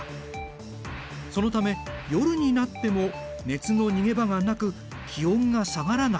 そのため夜になっても熱の逃げ場がなく気温が下がらない。